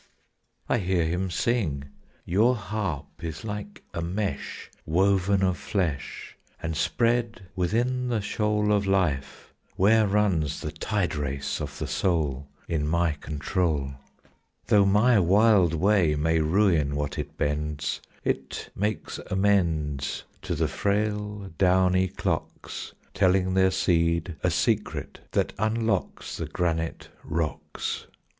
I hear him sing, "Your harp is like a mesh, Woven of flesh And spread within the shoal Of life, where runs the tide race of the soul In my control. "Though my wild way may ruin what it bends, It makes amends To the frail downy clocks, Telling their seed a secret that unlocks The granite rocks.